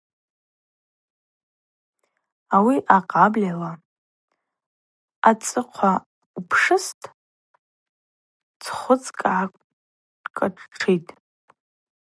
Ауи акъабльала ацӏыхъва упшыстӏ, дзхвыцкӏ гӏакӏатштшитӏ.